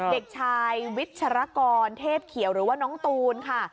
เด็กชายวิชรกรเทพเขียวหรือว่าน้องตูนค่ะ